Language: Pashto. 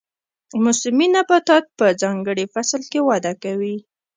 موسمي نباتات په ځانګړي فصل کې وده کوي